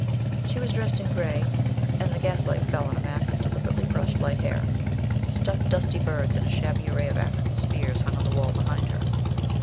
She was dressed in grey, and the gaslight fell on a mass of deliberately brushed light hair. Stuffed, dusty birds, and a shabby array of African spears, hung on the wall behind her.